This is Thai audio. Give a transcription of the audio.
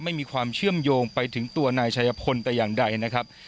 ไม่มีความเชื่อมโยงไปถึงตัวนายชายพลแต่อย่างใดนะครับ